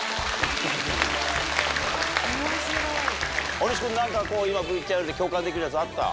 大西君何か今ＶＴＲで共感できるやつあった？